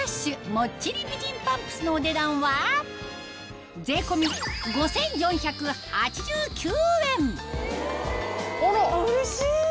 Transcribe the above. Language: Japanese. もっちり美人パンプスのお値段はうれしい！